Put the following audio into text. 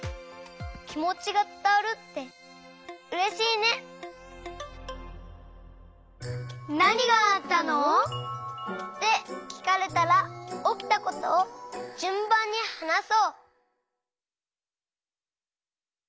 きもちがつたわるってうれしいね！ってきかれたらおきたことをじゅんばんにはなそう！